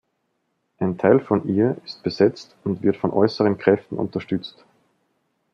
Ein Teil von ihr ist besetzt und wird von äußeren Kräften unterstützt.